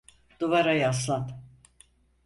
Duvara yaslan.